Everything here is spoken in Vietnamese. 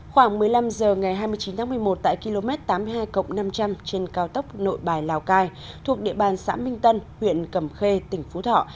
khoảng một mươi năm h ngày hai mươi chín tháng một mươi một tại km tám mươi hai năm trăm linh trên cao tốc nội bài lào cai thuộc địa bàn xã minh tân huyện cầm khê tỉnh phú thọ